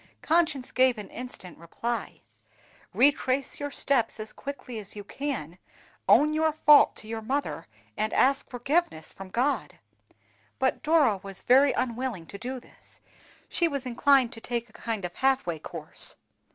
Conscience gave an instant reply, "Retrace your steps as quickly as you can, own your fault to your mother, and ask forgiveness from God." But Dora was very unwilling to do this; she was inclined to take a kind of half way course.